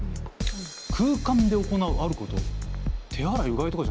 空間で行うあること？